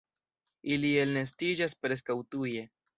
Ili elnestiĝas preskaŭ tuje.